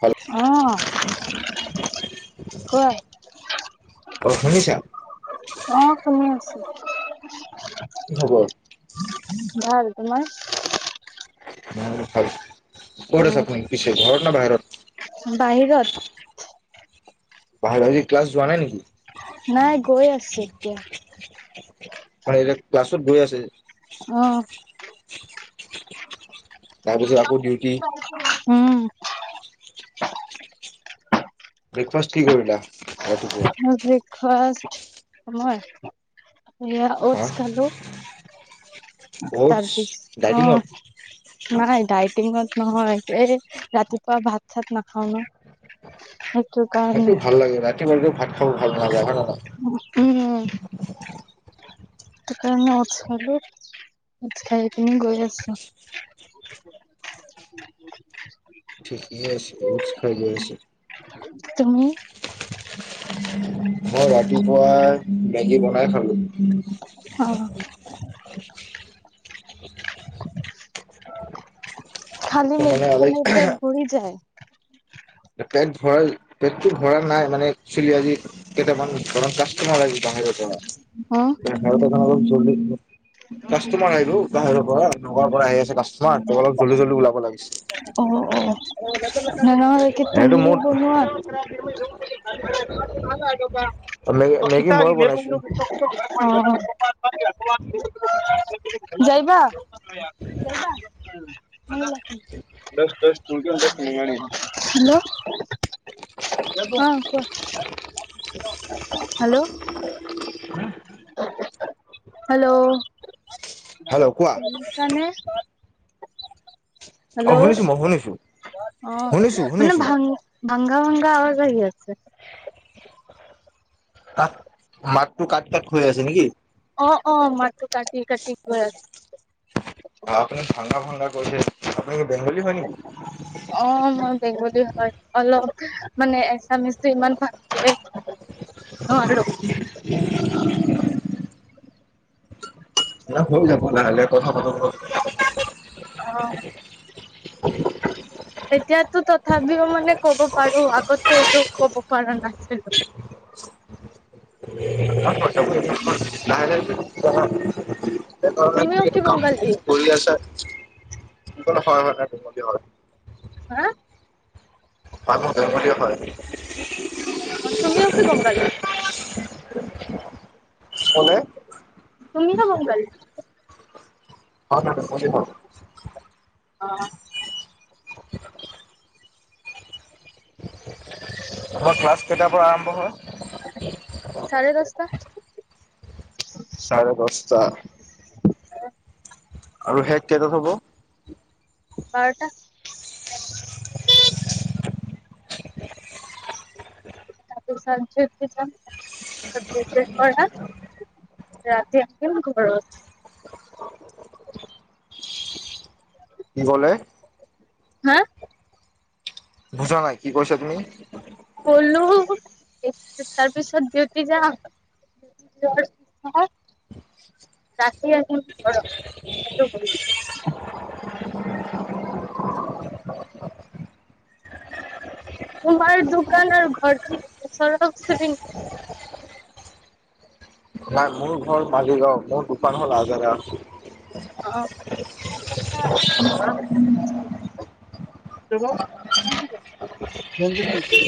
ভাল অ'। কোৱা। অ শুনিছা অ', শুনি আছোঁ। কি খবৰ? ভাল। তোমাৰ? [unintelligible] ক'ত উম আছে আপুনি পিছে, ঘৰত না বাহিৰত? বাহিৰত। বাহত আজি ক্লাচ যোৱা নাই নেকি? নাই, গৈ আছো এতিয়া। [unintelligible] এতিয়া ক্লাছত গৈ আছে। অ'। তাৰপিছত আকৌ ডিউটি উম। ব্ৰেকফাষ্ট কি কৰিলা? ৰাতিপুৱা মই ব্ৰেকফাষ্ট মই এইয়া হা ওটছ খালোঁ। অ'টছ তাৰপিছ অঁ ডাইটিঙত নাই, ডাইটিঙত নহয়। এই ৰাতিপুৱা ভাত চাত নাখাও ন। সেইটো কা সেইটো ভাল লাগে, ৰাতি মানুহটো ভাত খাব ভাল নালাগে হয়নে ন'? উম। তিকাৰণে ওটছ খালোঁ। খোজকাঢ়ি পিনি গৈ আছো। ঠিকেই আছে, ওটছ খাই লৈ আছে। তুমি? মই ৰাতিপুৱা মেগী বনাই খালোঁ। অ'। খালী ত' মানে মেগী অলপ খালে পেট ভৰি যায়? পেট ভৰাই, পেটটো ভৰা নাই মানে একচুৱেলি আজি কেইটামান ধৰক কাষ্টমাৰাজী বাহিৰৰ পৰা, অ [unintelligible] কাষ্টমাৰ আহিবো বাহিৰৰ পৰা নগৰৰ পৰা আহি আছে কাষ্টমাৰ তোমালোক জলদি জলদি ওলাব লাগে। অঁ, অঁ। তেনেহ'লে কি এনেতো তুমি মোৰ বনোৱা? মেগী মেগী ময়ে বনাইছো [unintelligible] অঁ! [unintelligible] যাইবা? [unintelligible] [unintelligible] হেল্ল'। অ', কোৱা? হেল্ল'। [unintelligible] হা। হেল্ল'। হেল্ল' কোৱা? শুনিছানে? অ' হেল্ল' শুনিছোঁ মই শুনিছোঁ। অ' মানে ভাং, ভাংগা, ভাংগা আৱাছ আহি আছে। [inaudible] মাতটো কাত, কাট হৈ আছে নেকি? অ', অ', মাতটো কাটি, কাটি গৈ আছে। অ' আপুনি ভাংগা, ভাংগা কৈছে, আপুনি বেংগলী হয় নেকি? অ' মই বেংগলী হয়, অলপ মানে এছামিছ ইমান ভাল [inaudible] নোৱাৰো। [unintelligible] লাহে লাহে কথা পাতক। অ'। এতিয়াতো তথাপিও মানে ক'ব পাৰোঁ, আগতেটো এইটো ক'ব পৰা নাছিল। [unintelligible] [unintelligible] [inaudible] কাম তুমিও কি বংগালী কৰি আছা [unintelligible] হা? [inaudible] তুমিও কি বংগালী কোনে। তুমি না [unintelligible] [unintelligible] অ'। তোমাৰ ক্লাছ কেইটাৰ পৰা আৰম্ভ হয়। চাৰে দহটা। চাৰে দহটা। আৰু শেষ কেইটাত হ'ব। বাৰটা। [unintelligible] [unintelligible] [unintelligible] [unintelligible] ৰাতি আহিম ঘৰত। [inaudible] কি ক'লে? হা? বুজা নাই কি কৈছা তুমি? ক'লো [inaudible] তাৰপিছত দিউতি যাম। [unintelligible] ৰাতি আহিম ঘৰত সেইটো ক'লো। [unintelligible] তোমাৰ দোকান আৰু ঘৰ কি ওচৰা ওচৰি নেকি? নাই মোৰ ঘল মালিগাঁও, মোৰ দোকান হ'ল আজাৰা। অ' [unintelligible] [unintelligible]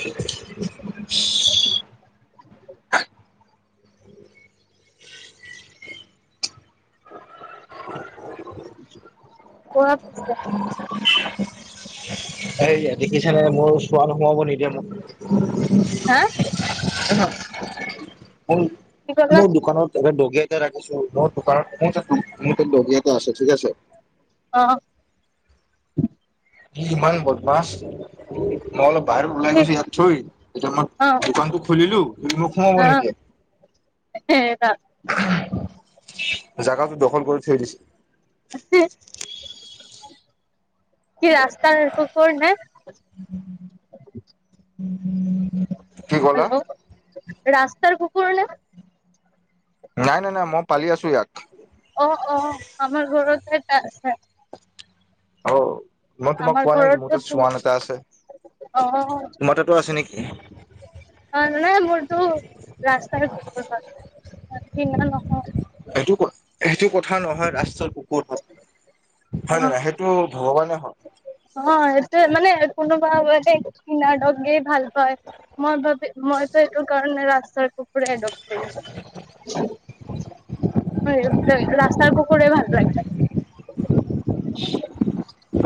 কোৱা পিছে। এইয়া দেখিছানে মোৰ [unintelligible] সোমাবো নিদিয়ে মোক। হা? [unintelligible] কি কলা মোৰ দোকানত এ দগী এটা ৰাখিছো মোৰ দোকানত মোৰ এটা দগী এটা আছে ঠিক আছে অঁ। ই ইমান বদমাছ মই অলপ বাহিত ওলাই গৈছো ইয়াক থই এতিয়া মই দোকানটো খুলিলো কিন্তু মোক সোমাব অ নিদিয়ে। [unintelligible] জাগাটো দখল কৰি থৈ দিছে। কি ৰাস্তাৰ কুকুৰ নে? কি কলা? হেল্ল' ৰাস্তাৰ কুকুৰ নে? নাই নাই নাই মই পালি আছো ইয়াক। অ অ আমাৰ ঘৰটো এটা আছে। অ। মই তোমাক আমাৰ কোৱা নাই কি মোৰ ঘৰতো তাত চোৱান এটা অ আছে। তোমাৰ তাতো আছে নেকি? অ নাই মোৰটো ৰাস্তাৰ কুকুৰ হয়, কিনা নহয়। এইটো কথা হেইটো কথা নহয় ৰাষ্টাৰ কুকুৰ হয় অ হয় নে নাই সেইটো ভগৱানে হয়। অ এইটোয়ে মানে কোনোবা মানে কিনা দগেই ভাল। হয় মই ভাবি মইতো এইটো কাৰণে ৰাস্তাৰ কুকুৰে এডপ্ট কৰিছো। ৰাস্তাৰ কুকুৰে ভাল লাগে। [inaudible]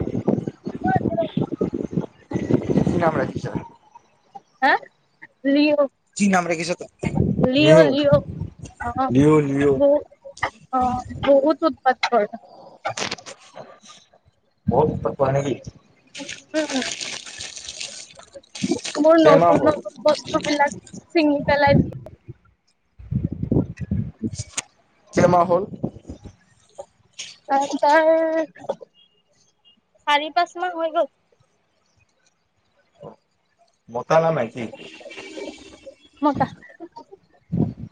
[unintelligible] কি নাম ৰাখিছা? হা? লিঅ। কি নাম ৰাখিছ তই লিঅ অ লিঅ। Leo Leo. বহু অ বহুত উৎপাত কৰে। বহুত উৎপাত কৰে নেকি? উম মোৰ কেইমাহ নতুন হ'ল নতুন বস্তু বিলাক ছিঙি পেলাই দিয়ে। কেইমাহ হ'ল? এ তাৰ চাৰি পাঁচ মাহ হৈ গ'ল। মতা না মাইকী? মতা।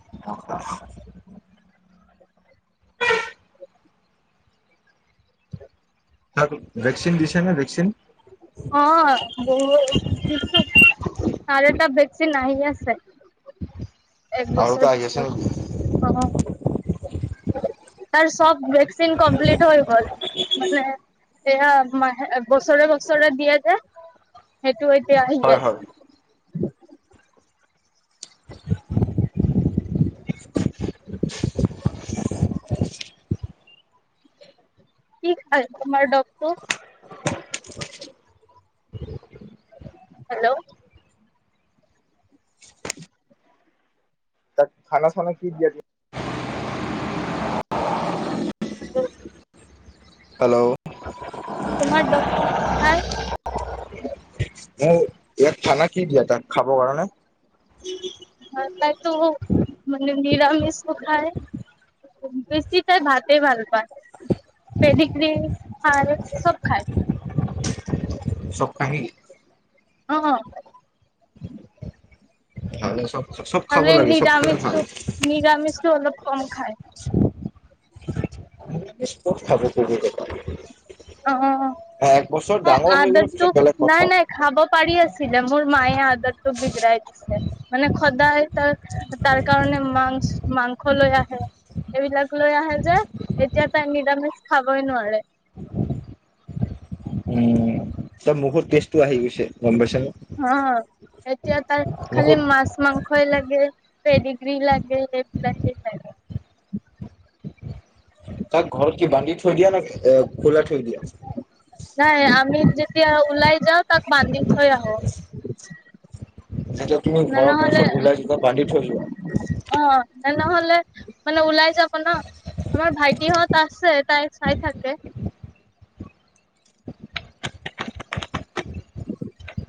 [unintelligible] ভেকচিন দিছে নে ভেকচিন? অ বহু চাৰিটা ভেকচিন আহি আছে। এক আৰু বছৰ এটা আহি আছে নেকি পিছত অ তাৰ চব ভে কচিন কমপ্লিট হৈ গল মানে এয়া মাহে বছৰে বছৰে দিয়ে যে সেইটো এতিয়া হয় আহি হয় আছে। [inaudible] [inaudible] কি খায় তোমাৰ ডগটো? [inaudible] হেল্ল তাক খানা চানা কি দিয়া দি [inaudible] হেল্ল তোমাৰ ডগ টো হাৰ। মূ ইয়াক খানা কি দিয়া তাক খাবৰ কাৰণে? [unintelligible] ভাল পাইছোঁ মানে নিৰামিছ টো খায়। বেছি তাই ভাতে ভাল পায় পেদিগ্ৰি খায় চব খায়। চব কাহি। অ। ভাল চব চব খাব লাগে চব খালে ভাল। নিৰামিষ তো অলপ কম খায়। বিস্কুত খাব। অ এক বছৰ ডাঙৰ হৈ গলে আদতটো পিছত বেলেগ কথা। নাই নাই খাব পাৰি আছিলে মোৰ মায়ে আদতটো বিগৰাাই দিছে মানে সদায় তাৰ তাৰ কাৰণে মাংছ মাংস লৈ আহে। এইবিলাক লৈ আহে যে, এতিয়া তাই নিৰামিষ খাবই নোৱাৰে। উম তাৰ মুখত টেষ্টটো আহি গৈছে গম পাইছা নে? অ এতিয়া তাৰ খালি মুখত মাছ মাংসয়ে লাগে, পেডিগ্ৰী লাগে এইবিলাকে তাইৰ। তাক ঘৰত কি বান্ধি থৈ দিয়া নে, এ খোলা থৈ দিয়া? নাই আমি যেতিয়া ওলাই যাওঁ তাক বান্ধি থৈ আহো। যেতিয়া তুমি ঘৰ পৰা নহ'লে চব ওলাই যোৱা বান্ধি থৈ যোৱা? অ নহলে মানে ওলাই যাব ন। আমাৰ ভাইটিহঁত আছে তাইক চাই থাকে।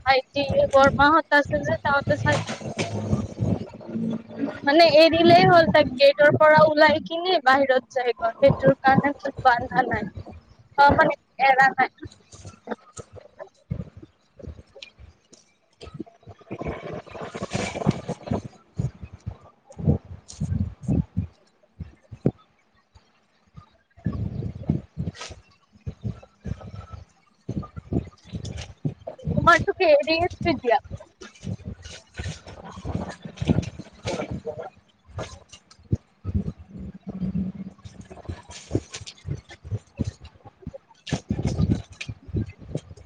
ভাইটি বৰমাহত আছে যে তাহঁতে চাই থাকে। উম। মানে এৰিলেই হ'ল তাক গেটৰ পৰা ওলাই কিনে বাহিৰত যায় গৈ সেইটোৰ কাৰণে বন্ধা নাই অ মানেএৰা নাই। মইতোক এৰি [inaudible] [unintelligible]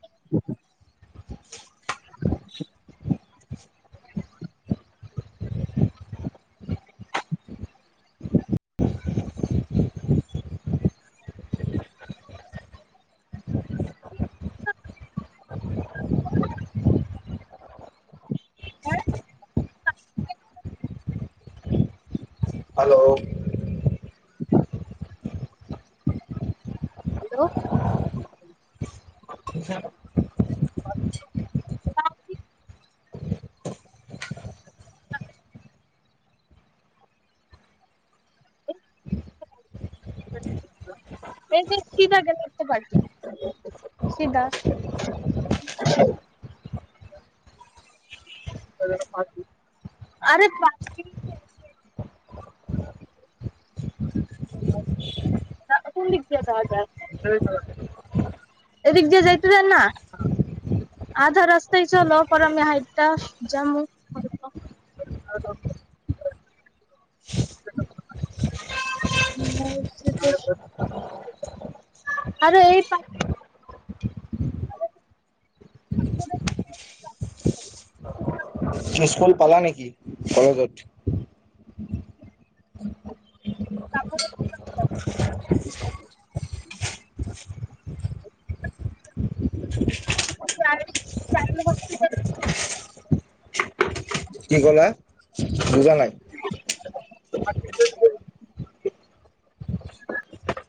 [unintelligible] [unintelligible] [inaudible] হাল্ল হেল্ল। হেল্ল' [inaudible] [inaudible] এই যে চিতাক দে [inaudible] চিদা। [inaudible] আৰে পাৰ্কিং [unintelligible] [inaudible] এইডিক দে জাইটি যায় না। আধা ৰাস্ত চলওঁ পৰামীয়া সাইটা জামু। [unintelligible] [unintelligible] আৰু এই পা [inaudible] স্কুল পালা নেকি, কলেজত? [inaudible] [inaudible] [unintelligible] কি ক'লা, বুজা নাই।